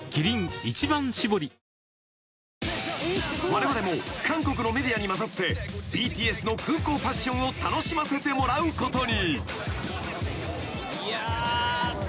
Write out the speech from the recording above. ［われわれも韓国のメディアに交ざってＢＴＳの空港ファッションを楽しませてもらうことに］